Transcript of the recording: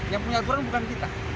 yang punya aturan bukan kita